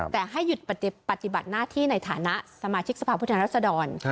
แต่ให้หยุดปฏิบัติหน้าที่ในฐานะสมาชิกสภาพผู้แทนรัศดร